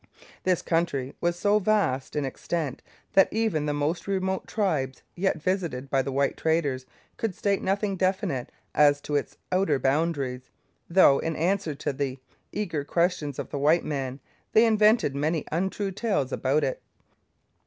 This country was so vast in extent that even the most remote tribes yet visited by the white traders could state nothing definite as to its outer boundaries, though, in answer to the eager questions of the white men, they invented many untrue tales about it.